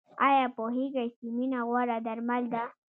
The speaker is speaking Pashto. ایا پوهیږئ چې مینه غوره درمل ده؟